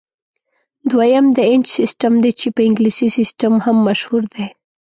دویم د انچ سیسټم دی چې په انګلیسي سیسټم هم مشهور دی.